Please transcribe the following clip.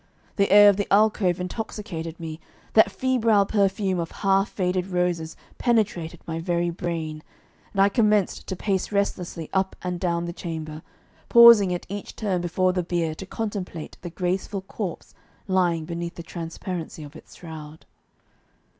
The air of the alcove intoxicated me, that febrile perfume of half faded roses penetrated my very brain, and I commenced to pace restlessly up and down the chamber, pausing at each turn before the bier to contemplate the graceful corpse lying beneath the transparency of its shroud.